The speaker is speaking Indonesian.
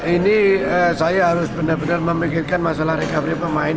ini saya harus benar benar memikirkan masalah recovery pemain